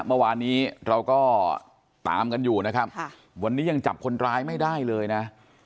เมื่อวานนี้เราก็ตามกันอยู่นะครับวันนี้ยังจับคนร้ายไม่ได้เลยนะ